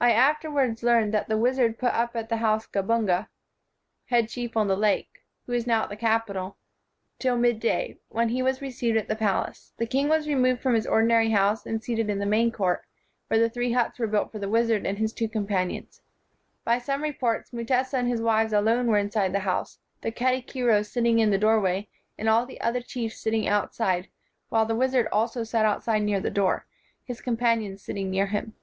"I afterward learned that the wizard put up at the house of Gabunga [head chief on the lake], who is now at the capital, till 132 KING AND WIZARD midday, when he was received at the pal ace. The king was removed from his ordin ary house, and seated in the main court, where the three huts were built for the wiz ard and his two companions. By some re ports, Mutesa and his wives alone were in side the house, the katikiro sitting in the doorway, and all the other chiefs sitting out side, while the wizard also sat outside near the door, his companions sitting near him.